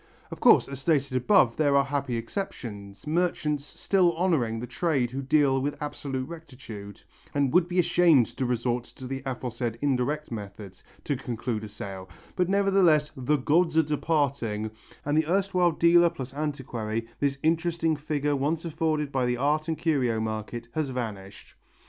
Of course, as stated above, there are happy exceptions, merchants still honouring the trade who deal with absolute rectitude, and would be ashamed to resort to the aforesaid indirect methods to conclude a sale, but nevertheless "the gods are departing" and the erstwhile dealer plus antiquary, this interesting figure once afforded by the art and curio market, has vanished.